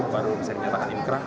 baru saya nyatakan